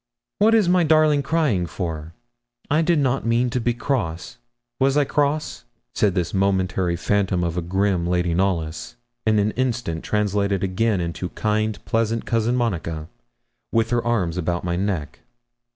'What is my darling crying for? I did not mean to be cross. Was I cross?' said this momentary phantom of a grim Lady Knollys, in an instant translated again into kind, pleasant Cousin Monica, with her arms about my neck.